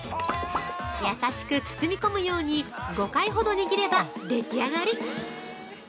◆優しく包み込むように５回ほど握ればでき上がり！